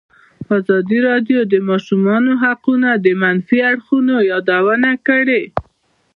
ازادي راډیو د د ماشومانو حقونه د منفي اړخونو یادونه کړې.